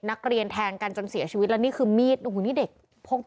นักเรียนแทงกันจนเสียชีวิตแล้วนี่คือมีดโอ้โหนี่เด็กพก